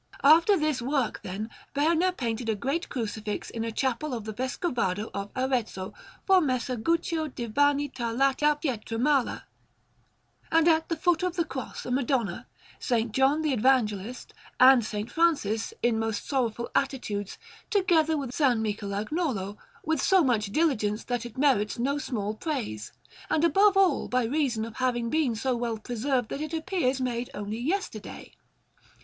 After this work, then, Berna painted a great Crucifix in a chapel of the Vescovado of Arezzo for Messer Guccio di Vanni Tarlati da Pietramala, and at the foot of the Cross a Madonna, S. John the Evangelist, and S. Francis, in most sorrowful attitudes, together with a S. Michelagnolo, with so much diligence that it merits no small praise, and above all by reason of having been so well preserved that it appears made only yesterday.